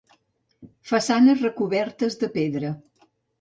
Façanes recobertes de pedra.